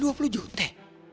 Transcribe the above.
bukannya dua puluh juta